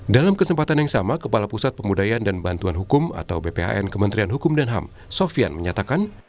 dalam kesempatan yang sama kepala pusat pemudayaan dan bantuan hukum atau bphn kementerian hukum dan ham sofian menyatakan